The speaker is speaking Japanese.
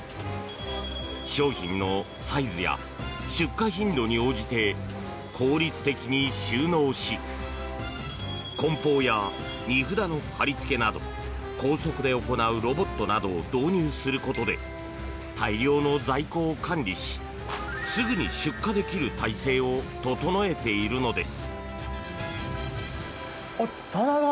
商品のサイズや出荷頻度に応じて効率的に収納しこん包や荷札の貼りつけなど高速で行うロボットなどを導入することで大量の在庫を管理しすぐに出荷できる体制を整えているのです。